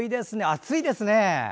熱いですね。